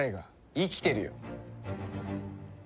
生きてるよ。